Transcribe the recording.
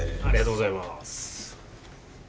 ありがとうございます。